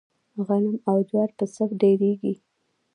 غنم او جوار په څۀ ډېريږي؟